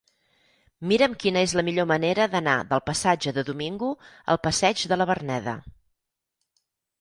Mira'm quina és la millor manera d'anar del passatge de Domingo al passeig de la Verneda.